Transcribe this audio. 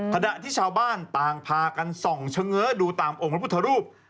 ขณะที่ชาวบ้านต่างพากันส่องเฉง้อดูตามองค์พระพุทธรูป